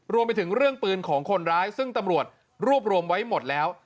รวมไปถึงเรื่องปืนของคนร้ายซึ่งตำรวจรวบรวมไว้หมดแล้ว